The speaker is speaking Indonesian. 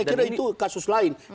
saya kira itu kasus lain